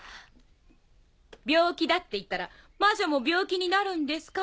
⁉病気だって言ったら「魔女も病気になるんですか？」